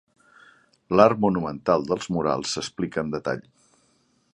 L'art monumental dels murals s'explica amb detall.